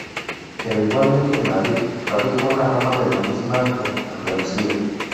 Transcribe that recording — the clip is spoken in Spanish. Pero igualmente en Madrid radica una rama de la misma de Andalucía.